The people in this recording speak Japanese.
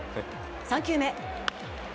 ３球目。